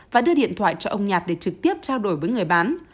và đưa điện thoại cho ông nhạt để trực tiếp trao đổi với người bán